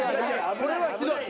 これはひどい。